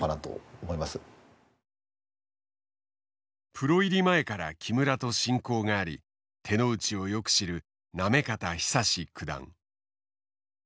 プロ入り前から木村と親交があり手の内をよく知る行方尚史九段。